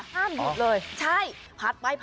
ห้ามหยุดเลย